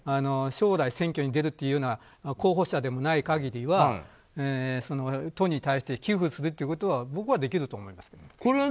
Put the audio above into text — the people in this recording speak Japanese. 将来、選挙に出るような候補者でもない限りは都に対して寄付するということは僕はできると思いますけどね。